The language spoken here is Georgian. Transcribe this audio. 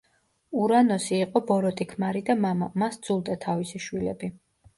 ურანოსი იყო ბოროტი ქმარი და მამა, მას სძულდა თავისი შვილები.